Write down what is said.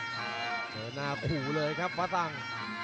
เจอหน้าผิวเลยครับภาษัง